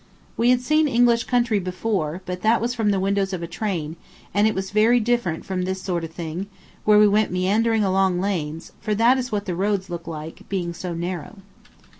We had seen English country before, but that was from the windows of a train, and it was very different from this sort of thing, where we went meandering along lanes, for that is what the roads look like, being so narrow.